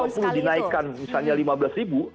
nah ketika dua ribu dua puluh dinaikkan misalnya lima belas ribu